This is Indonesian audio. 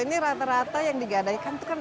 ini rata rata yang digadaikan itu kan